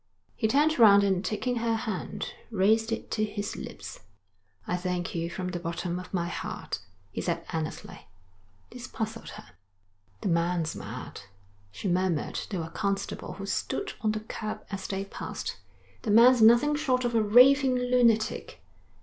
He turned round and taking her hand, raised it to his lips. 'I thank you from the bottom of my heart,' he said earnestly. This puzzled her. 'The man's mad,' she murmured to a constable who stood on the curb as they passed. 'The man's nothing short of a raving lunatic.'